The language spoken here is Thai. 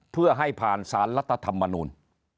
เพื่อให้ผ่านสารรัฐธรรมนูล